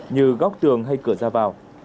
như góc tường hay cửa ra vào